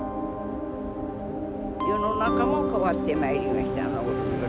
世の中も変わってまいりました。